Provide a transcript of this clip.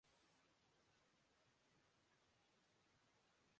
Muhammad Salah professional footballers association player the year کا award لے اڑے